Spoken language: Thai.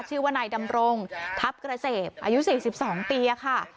ชื่อวันัยดำรงศ์ทัพกระเสพอายุสี่สิบสองปีอะค่ะ